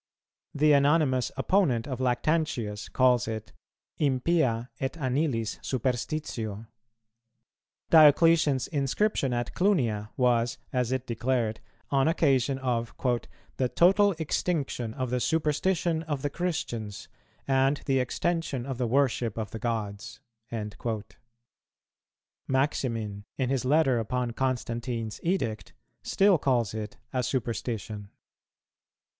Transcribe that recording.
The anonymous opponent of Lactantius calls it, "Impia et anilis superstitio." Diocletian's inscription at Clunia was, as it declared, on occasion of "the total extinction of the superstition of the Christians, and the extension of the worship of the gods." Maximin, in his Letter upon Constantine's Edict, still calls it a superstition.